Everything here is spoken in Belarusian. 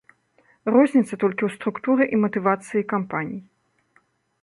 Розніца толькі ў структуры і матывацыі кампаній.